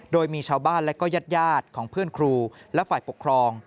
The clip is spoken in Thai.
โดยมีชาวบ้านและก็ญาติของเพื่อนครูและฝ่ายปกครอง